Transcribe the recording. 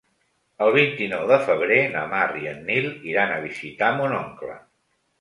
El vint-i-nou de febrer na Mar i en Nil iran a visitar mon oncle.